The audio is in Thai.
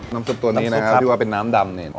ซุปตัวนี้นะครับที่ว่าเป็นน้ำดำเนี่ย